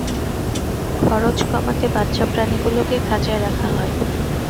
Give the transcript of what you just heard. খরচ কমাতে বাচ্চা প্রাণীগুলোকে খাঁচায় রাখা হয়।